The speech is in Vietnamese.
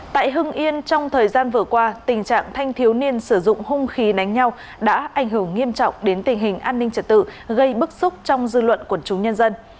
tại hưng yên trong thời gian vừa qua tình trạng thanh thiếu niên sử dụng hung khí đánh nhau đã ảnh hưởng nghiêm trọng đến tình hình an ninh trật tự gây bức xúc trong dư luận quần chúng nhân dân